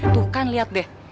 tuh kan lihat deh